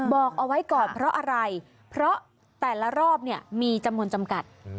บอกเอาไว้ก่อนเพราะอะไรเพราะแต่ละรอบเนี่ยมีจำนวนจำกัด